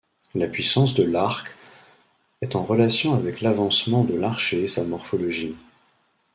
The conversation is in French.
La puissance de l'arc est en relation avec l'avancement de l'archer et sa morphologie.